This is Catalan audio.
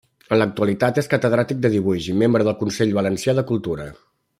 En l'actualitat és Catedràtic de Dibuix i membre del Consell Valencià de Cultura.